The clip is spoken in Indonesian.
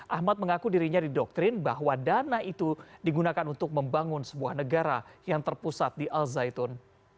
ahmad mengaku dirinya didoktrin bahwa dana itu digunakan untuk membangun sebuah negara yang terpusat di al zaitun